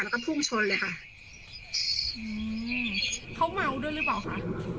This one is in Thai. แล้วก็พุ่งชนเลยค่ะอืมเขาเมาด้วยหรือเปล่าคะ